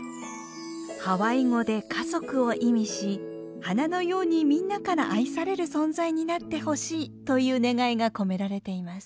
ハワイ語で「家族」を意味し花のようにみんなから愛される存在になってほしいという願いが込められています。